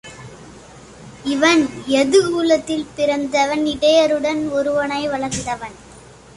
இவன் யது குலத்தில் பிறந்தவன் இடையருடன் ஒருவனாய் வளர்ந்தவன்.